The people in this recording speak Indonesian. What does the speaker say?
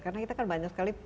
karena kita kan banyak sekali